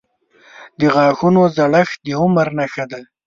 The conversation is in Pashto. • د غاښونو زړښت د عمر نښه ده.